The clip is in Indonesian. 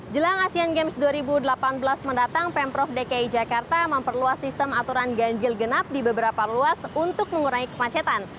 jelang asean games dua ribu delapan belas mendatang pemprov dki jakarta memperluas sistem aturan ganjil genap di beberapa luas untuk mengurangi kemacetan